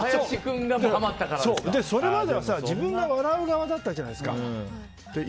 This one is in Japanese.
それまでは自分が笑う側だったじゃないですか。